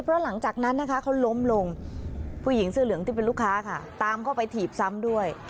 เพราะหลังจากนั้นนะคะเขาล้มลงผู้หญิงเสื้อเหลืองที่เป็นลูกค้าค่ะตามเข้าไปถีบซ้ำด้วย